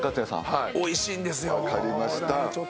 はいおいしいんですよ。